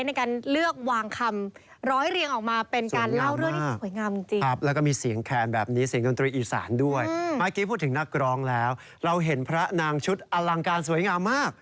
ด้วยอืมเมื่อกี้พูดถึงนักกรองแล้วเราเห็นพระนางชุดอลังการสวยงามมาก